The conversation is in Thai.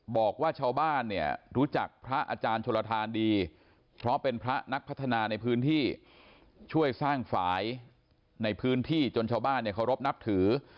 บอกว่าชาวบ้านเนี่ยรู้จักพระอาจารย์ชลทานดีเพราะเป็นพระนักพัฒนาในพื้นที่ช่วยสร้างฝ่ายในพื้นที่จนชาวบ้านเนี่ยเคารพนับถือ